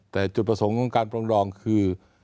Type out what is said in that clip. แต่จุดประสงค์ของการปรองดองคือ